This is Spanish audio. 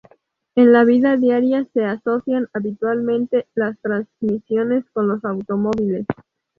En la vida diaria se asocian habitualmente las transmisiones con los automóviles.